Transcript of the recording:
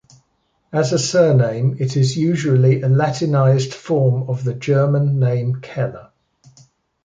As a surname it is usually a Latinized form of the German name "Keller".